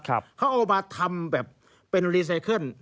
เขาเอามาทำแบบเป็นรีไซเคิล